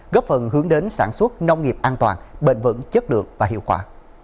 góp phần hướng đến sản xuất nông nghiệp an toàn bền vững chất lượng và hiệu quả